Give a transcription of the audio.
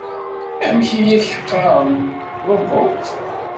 Amek i ak-qqaren? - Robot